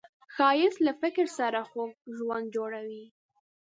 ښایست له فکر سره خوږ ژوند جوړوي